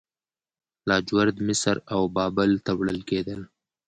لاجورد مصر او بابل ته وړل کیدل